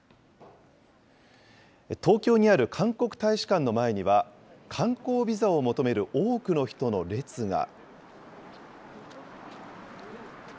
東京にある韓国大使館の前には、観光ビザを求める多くの人の列が。